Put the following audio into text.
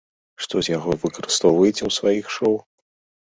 Што з яго выкарыстоўваеце ў сваіх шоў?